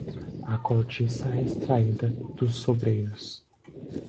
A cortiça é extraída dos sobreiros.